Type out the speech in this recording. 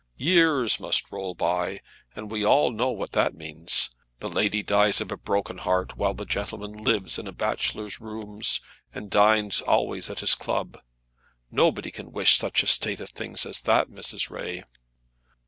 "Years must roll by, and we all know what that means. The lady dies of a broken heart, while the gentleman lives in a bachelor's rooms, and dines always at his club. Nobody can wish such a state of things as that, Mrs. Ray."